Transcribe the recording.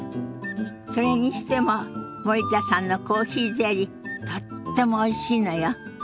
それにしても森田さんのコーヒーゼリーとってもおいしいのよ。